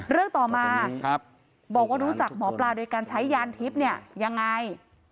เรื่องต่อมาบอกว่ารู้จักหมอปลาโดยการใช้ยานทิพย์เนี่ยยังไง